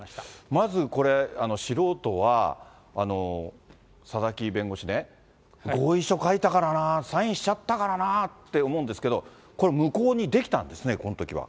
まずこれ、素人は、佐々木弁護士ね、合意書書いたからな、サインしちゃったからなって思うんですけど、これ、無効にできたんですね、このときは。